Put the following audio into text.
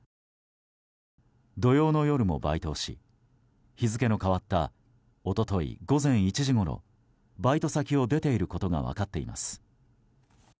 土曜の夜もバイトをし日付の変わった一昨日午前１時ごろバイト先を出ていることが分かっています。